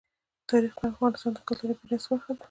تاریخ د افغانستان د کلتوري میراث برخه ده.